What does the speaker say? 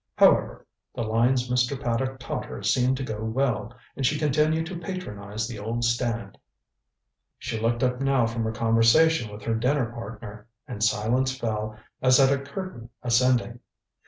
However, the lines Mr. Paddock taught her seemed to go well, and she continued to patronize the old stand. She looked up now from her conversation with her dinner partner, and silence fell as at a curtain ascending.